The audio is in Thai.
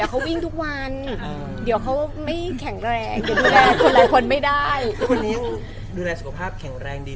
แล้วคืออยากให้ดูแลสุขภาพไปด้วย